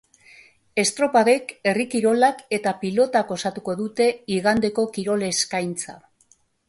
Estropadek, herri kirolak eta pilotak osatuko dute igandeko kirol eskaintza.